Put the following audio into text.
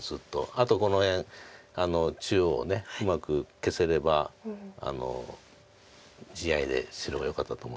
あとこの辺中央をうまく消せれば地合いで白がよかったと思うんですけど。